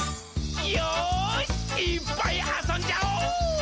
よーし、いーっぱいあそんじゃお！